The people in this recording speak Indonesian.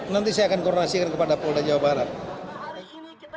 nanti saya akan koordinasikan kepada polda jawa barat